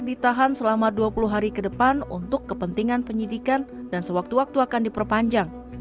ditahan selama dua puluh hari ke depan untuk kepentingan penyidikan dan sewaktu waktu akan diperpanjang